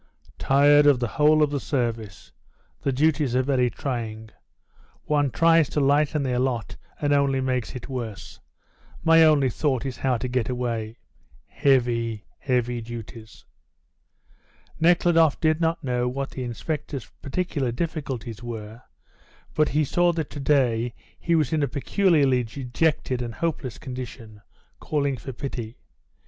"Tired of the whole of the service the duties are very trying. One tries to lighten their lot and only makes it worse; my only thought is how to get away. Heavy, heavy duties!" Nekhludoff did not know what the inspector's particular difficulties were, but he saw that to day he was in a peculiarly dejected and hopeless condition, calling for pity.